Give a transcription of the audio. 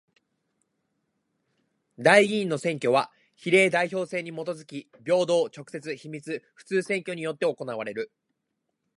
代議員の選挙は比例代表制にもとづき平等、直接、秘密、普通選挙によって行われる。